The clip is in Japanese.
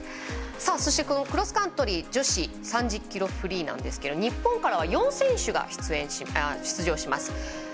そして、クロスカントリー女子３０ｋｍフリーですが日本からは４選手が出場します。